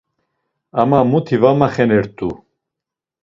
Ama muti va maxenert̆u!